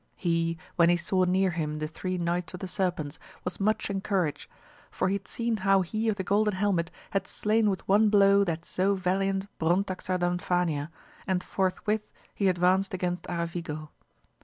He, when he saw near him the three Knights of the Serpents was much encouraged, for he had seen how he of the golden helmet had slain with one blow that so valiant Brontaxar Danfania, and forthwith he advanced against Aravigo.